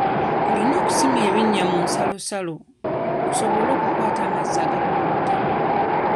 Olina okusima binnya mu nsalosalo osobole okukwata amazzi agakulukuta.